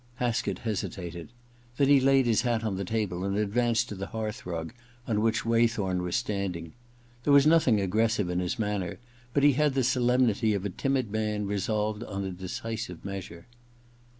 Haskett hesitated. Then he laid his hat on the table, and advanced to the hearth rug, on which Waythorn was standing. There was 64 THE OTHER TWO iv nothing aggressive in his manner, but he had the solemnity of a timid man resolved on a decisive measure.